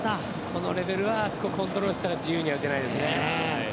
このレベルではあそこでコントロールしたら自由には打てないですね。